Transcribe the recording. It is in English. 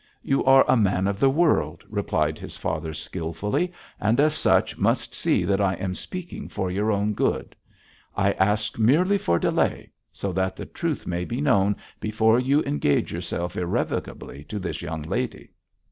'You are a man of the world,' replied his father, skilfully, 'and as such must see that I am speaking for your own good. I ask merely for delay, so that the truth may be known before you engage yourself irrevocably to this young lady.'